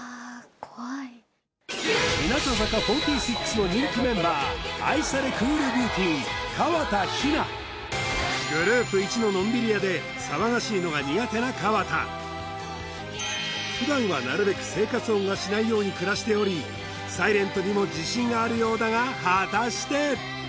怖い日向坂４６の人気メンバー愛されクールビューティーグループいちののんびり屋で騒がしいのが苦手な河田普段はなるべく生活音がしないように暮らしておりサイレントにも自信があるようだが果たして？